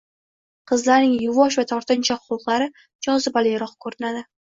Qizlarning yuvosh va tortinchoq xulqlari jozibaliroq ko‘rinadi